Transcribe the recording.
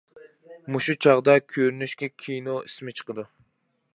مۇشۇ چاغدا كۆرۈنۈشكە كىنو ئىسمى چىقىدۇ.